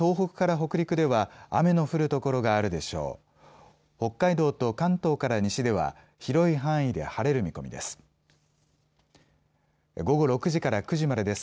北海道と関東から西では広い範囲で晴れる見込みです。